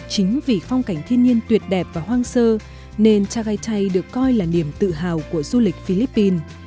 chính vì phong cảnh thiên nhiên tuyệt đẹp và hoang sơ nên chagaitay được coi là niềm tự hào của du lịch philippines